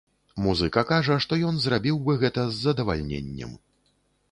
Музыка кажа, што ён зрабіў бы гэта з задавальненнем.